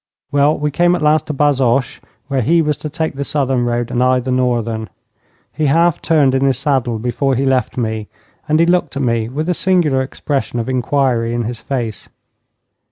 Well, we came at last to Bazoches, where he was to take the southern road and I the northern. He half turned in his saddle before he left me, and he looked at me with a singular expression of inquiry in his face.